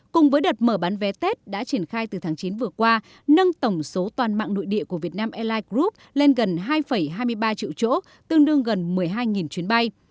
cùng với đợt mở bán vé tết đã triển khai từ tháng chín vừa qua nâng tổng số toàn mạng nội địa của việt nam airlines group lên gần hai hai mươi ba triệu chỗ tương đương gần một mươi hai chuyến bay